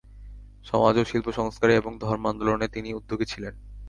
সমাজ ও শিল্পসংস্কারে এবং ধর্ম-আন্দোলনে তিনি উদ্যোগী ছিলেন।